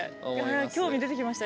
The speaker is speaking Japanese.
興味出てきました